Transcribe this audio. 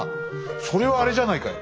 それはあれじゃないかい。